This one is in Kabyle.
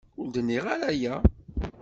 Ur d-nniɣ ara aya.